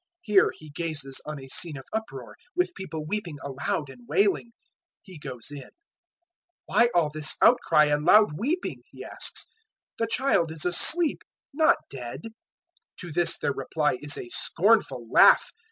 Here He gazes on a scene of uproar, with people weeping aloud and wailing. 005:039 He goes in. "Why all this outcry and loud weeping?" He asks; "the child is asleep, not dead." 005:040 To this their reply is a scornful laugh.